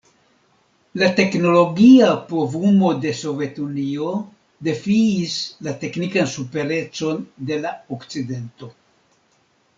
La teknologia povumo de Sovetunio defiis la teknikan superecon de la Okcidento.